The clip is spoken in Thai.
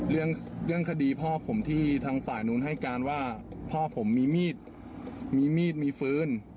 เรื่องเรื่องคดีพ่อผมที่ทางฝ่ายนู้นให้การว่าพ่อผมมีมีดมีมีดมีปืน